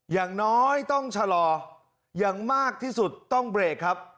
อย่างน้อยต้องชะลออย่างมากที่สุดต้องเบรกครับ